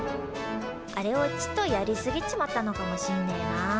あれをちっとやりすぎちまったのかもしんねえな。